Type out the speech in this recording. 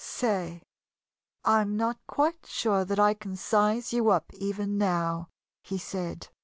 "Say, I'm not quite sure that I can size you up, even now," he said.